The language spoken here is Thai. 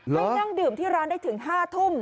ให้นั่งดื่มที่ร้านได้ถึง๕ทุ่ม